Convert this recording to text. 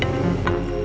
kau bisa ke